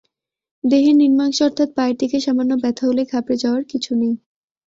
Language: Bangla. দেহের নিম্নাংশে, অর্থাৎ পায়ের দিকে সামান্য ব্যথা হলে ঘাবড়ে যাওয়ার কিছু নেই।